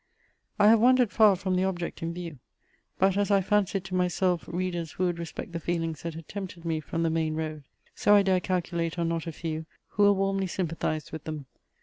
I have wandered far from the object in view, but as I fancied to myself readers who would respect the feelings that had tempted me from the main road; so I dare calculate on not a few, who will warmly sympathize with them.